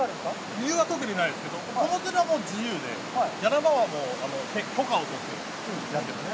理由は特にないですけど、あちらは自由で、やな場は許可を取ってやってます。